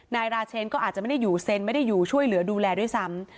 นายราเชนก็อาจจะไม่ได้อยู่เซ็นไม่ได้อยู่ช่วยเหลือดูแลด้วยซ้ำ